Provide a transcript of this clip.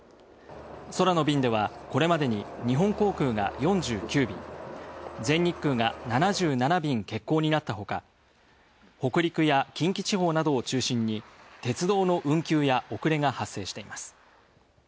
空の便では、これまでに日本航空が４９便全日空が７７便欠航になったほか、北陸や近畿地方などを中心に鉄道の運休や遅れが発生しています。